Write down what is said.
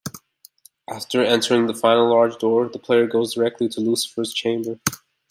After entering the final large door, the player goes directly to Lucifer's chamber.